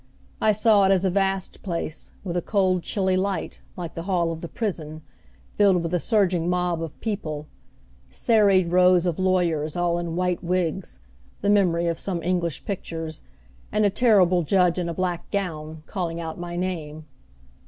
I saw it as a vast place, with a cold chilly light, like the hall of the prison, filled with a surging mob of people; serried rows of lawyers all in white wigs the memory of some English pictures and a terrible judge in a black gown, calling out my name.